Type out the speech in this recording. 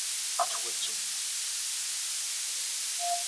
多位澳门立法会议员均指责澳门电讯在事件上带来的影响。